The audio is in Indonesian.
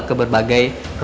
ke berbagai rumah